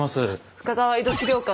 深川江戸資料館